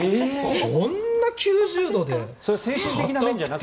こんな９０度で硬くて。